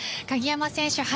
鍵山選手